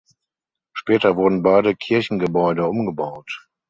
Später wurden beide Kirchengebäude umgebaut.